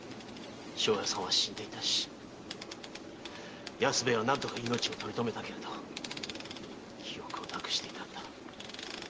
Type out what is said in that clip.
庄屋さんは死んでいたし安兵衛は何とか命をとり留めたけれど記憶を失くしていたんだ。